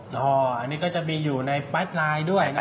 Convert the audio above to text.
อันนี้ก็จะมีอยู่ในแป๊ดไลน์ด้วย